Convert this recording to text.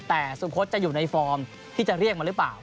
แต่สุโคตจะอยู่ในฟอร์มที่จะเรียกมาหรือเปล่า